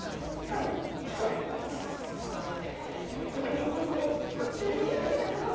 そこそこそう